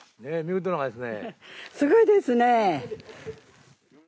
すごいですね。